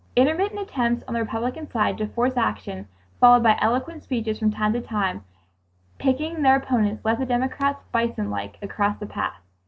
Intermittent attempts on the Republican side to force action, followed by eloquent speeches from time to time, piquing their opponents, left the Democrats bison like across the path.